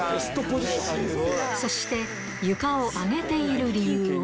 そして、床を上げている理由は。